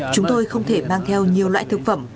chúng tôi không thể mang theo nhiều loại thực phẩm